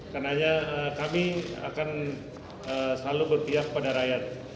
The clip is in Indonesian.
karena hanya kami akan selalu berpihak kepada rakyat